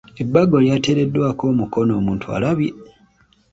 Ebbago lyateereddwako omukono, omuntu alabye!